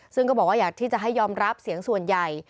ซึ่งก็บอกว่าอยากที่จะให้ยอมรับเสียงส่วนใหญ่